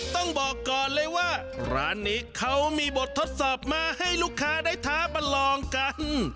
ต้องบอกก่อนเลยว่าร้านนี้เขามีบททดสอบมาให้ลูกค้าได้ท้าประลองกัน